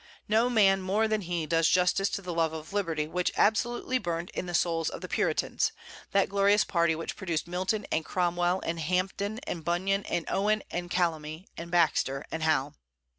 No man more than he does justice to the love of liberty which absolutely burned in the souls of the Puritans, that glorious party which produced Milton and Cromwell, and Hampden and Bunyan, and Owen and Calamy, and Baxter and Howe.